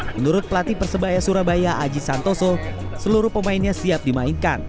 menurut pelatih persebaya surabaya aji santoso seluruh pemainnya siap dimainkan